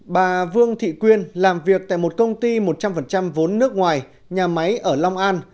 bà vương thị quyên làm việc tại một công ty một trăm linh vốn nước ngoài nhà máy ở long an